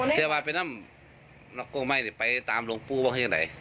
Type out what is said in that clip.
เสียวละไปนั้มนักกลงใหม่ไปตามลงปูบ้านที่ไหน